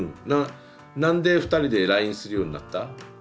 何で２人でＬＩＮＥするようになった？